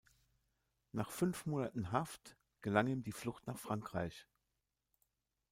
Nach fünf Monaten Haft gelang ihm die Flucht nach Frankreich.